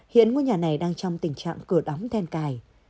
hiện ngôi nhà này đang trong tình trạng cửa đóng then cài